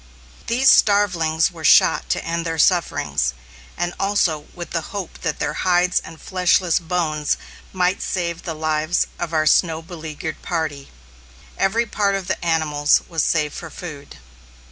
These starvelings were shot to end their sufferings, and also with the hope that their hides and fleshless bones might save the lives of our snow beleaguered party. Every part of the animals was saved for food.